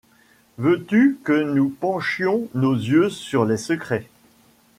Veux-tu que nous penchions nos yeux sur les secrets